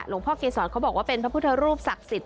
พ่อเกษรเขาบอกว่าเป็นพระพุทธรูปศักดิ์สิทธิ